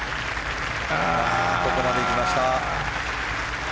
ここまで行きました。